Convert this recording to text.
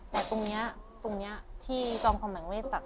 แต่ตรงนี้ตรงนี้ที่จ้องกับหวังเวทย์สักให้